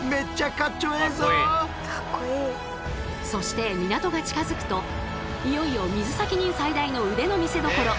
そして港が近づくといよいよ水先人最大の腕の見せどころ